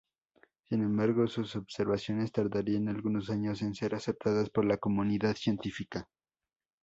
Sin embargo sus observaciones tardarían algunos años en ser aceptadas por la comunidad científica.